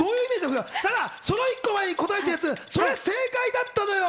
その１個前に答えたやつ、それ正解だったのよ。